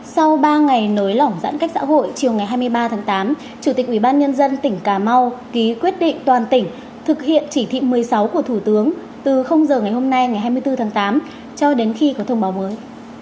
sau ba ngày nới lỏng giãn cách xã hội chiều ngày hai mươi ba tháng tám chủ tịch ubnd tỉnh cà mau ký quyết định toàn tỉnh thực hiện chỉ thị một mươi sáu của thủ tướng từ giờ ngày hôm nay ngày hai mươi bốn tháng tám cho đến khi có thông báo mới